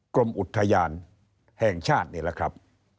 กรมอุทยานแห่งชาตินี่แหละครับ